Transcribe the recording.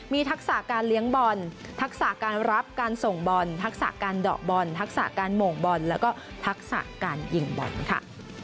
มีทักษะการเลี้ยงบอลทักษะการรับการส่งบอลทักษะการเดาะบอลทักษะการโหม่งบอลแล้วก็ทักษะการยิงบอลค่ะ